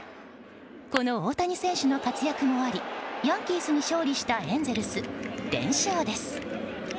この大谷選手の活躍もありヤンキースに勝利したエンゼルス連勝です。